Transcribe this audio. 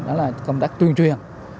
đó là công tác tuyên truyền